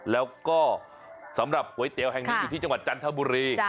แล้วก็สำหรับก๋วยเตี๋ยวแห่งนี้อยู่ที่จังหวัดจันทบุรี